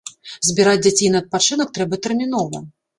Збіраць дзяцей на адпачынак трэба тэрмінова.